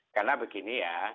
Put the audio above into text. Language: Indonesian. karena begini ya